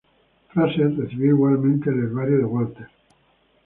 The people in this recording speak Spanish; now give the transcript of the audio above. Fraser recibió igualmente el herbario de Walter.